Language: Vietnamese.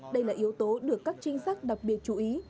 đây là yếu tố được các trinh sát đặc biệt chú ý